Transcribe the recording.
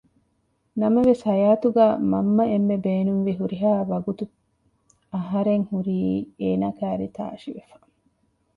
ނަމަވެސް ހަޔާތުގައި މަންމަ އެންމެ ބޭނުންވި ހުރިހާ ވަގުތު އަހަރެން ހުރީ އޭނަ ކައިރީ ތާށިވެފަ